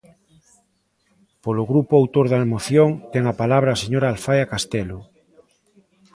Polo grupo autor da moción, ten a palabra a señora Alfaia Castelo.